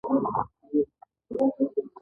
د خلې نه بې اختياره اوځي